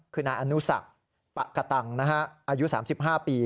คือนายอนุสักปะกะตังอายุ๓๕ปี